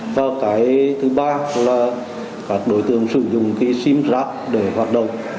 và cái thứ ba là các đối tượng sử dụng cái sim giác để hoạt động